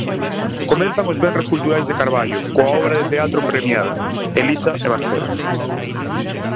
Comezan os venres culturais de Carballo coa obra de teatro premiada, Elisa e Marcela.